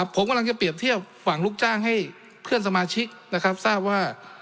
ผมกำลังจะเปรียบเทียบฝั่งลูกจ้างให้เพื่อนสมาชิกนะครับทราบว่า